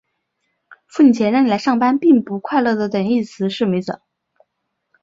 付你钱让你来上班并不快乐的等义词。